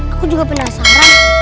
aku juga penasaran